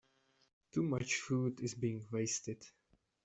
Too much food is being wasted.